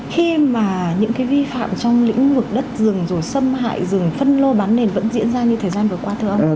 khi mà những cái vi phạm trong lĩnh vực đất rừng rồi xâm hại rừng phân lô bán nền vẫn diễn ra như thời gian vừa qua thưa ông